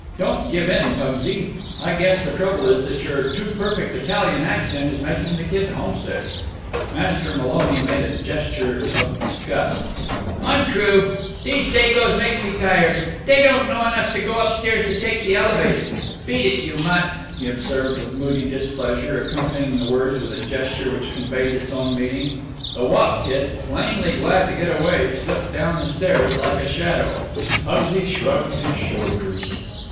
Don't give in, Pugsy. I guess the trouble is that your too perfect Italian accent is making the kid homesick." Master Maloney made a gesture of disgust. "I'm t'roo. Dese Dagoes makes me tired. Dey don't know enough to go upstairs to take de elevated. Beat it, you mutt," he observed with moody displeasure, accompanying the words with a gesture which conveyed its own meaning. The wop kid, plainly glad to get away, slipped down the stairs like a shadow. Pugsy shrugged his shoulders.